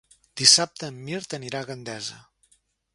Dissabte en Mirt anirà a Gandesa.